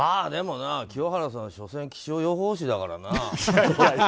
でも清原さん、所詮気象予報士だからな。